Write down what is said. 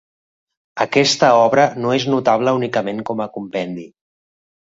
Aquesta obra no és notable únicament com a compendi.